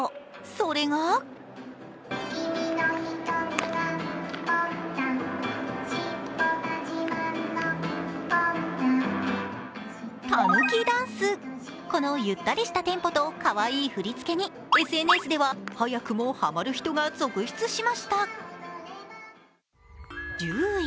それがたぬきダンスこのゆったりしたテンポとかわいい振り付けにＳＮＳでは速くもハマる人が続出しました。